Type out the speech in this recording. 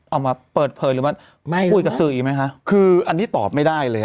เอามาเปิดเผยหรือมาไม่คุยกับสื่ออีกไหมคะคืออันนี้ตอบไม่ได้เลย